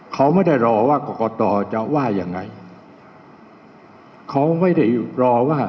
เขาไม่ได้รอว่ากรกตจะว่ายังไงเขาไม่ได้รอว่า